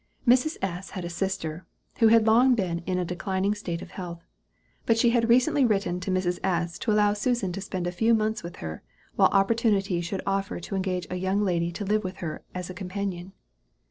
Mrs. S. had a sister, who had long been in a declining state of health; and she had but recently written to Mrs. S. to allow Susan to spend a few months with her, while opportunity should offer to engage a young lady to live with her as a companion.